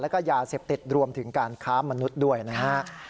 แล้วก็ยาเสพติดรวมถึงการค้ามนุษย์ด้วยนะฮะ